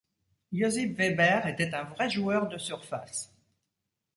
Josip Weber était un vrai joueur de surface.